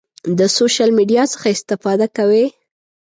د سوشل میډیا څخه استفاده کوئ؟